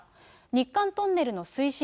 日韓トンネルの推進